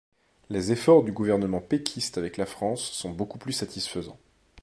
Les efforts du gouvernement péquiste avec la France sont beaucoup plus satisfaisants.